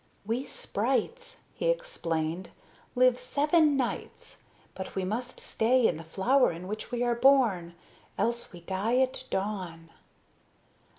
"We sprites," he explained, "live seven nights, but we must stay in the flower in which we are born, else we die at dawn."